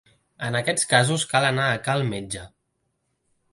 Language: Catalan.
En aquests casos cal anar a cal metge.